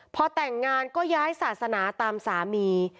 พอแต่งงานก็ย้ายศาสนาตามสามี